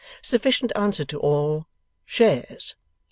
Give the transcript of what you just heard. Sufficient answer to all; Shares.